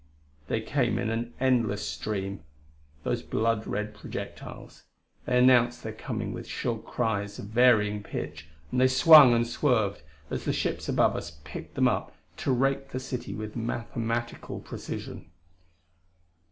They came in an endless stream, those blood red projectiles; they announced their coming with shrill cries of varying pitch; and they swung and swerved, as the ships above us picked them up, to rake the city with mathematical precision.